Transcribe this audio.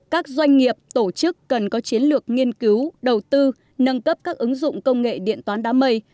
các doanh nghiệp tổ chức cần có chiến lược nghiên cứu đầu tư nâng cấp các ứng dụng công nghệ điện toán đám mây